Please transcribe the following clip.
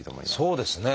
そうですね。